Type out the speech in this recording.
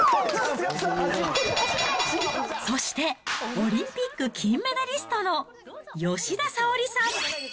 そして、オリンピック金メダリストの吉田沙保里さん。